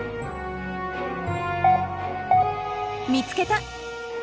見つけた！